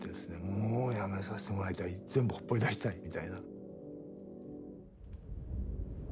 「もうやめさせてもらいたい全部ほっぽり出したい」みたいな。